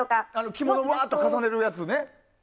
着物をうわっと重ねるやつね。